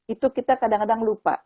itu kita kadang kadang lupa